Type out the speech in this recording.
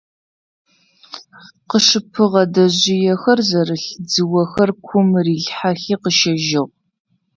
Къышыпыгъэ дэжъыехэр зэрылъ дзыохэр кум рилъхьэхи къыщэжьыгъ.